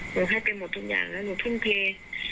หนูให้ไปหมดทุกอย่างแล้วหนูทุ่มเท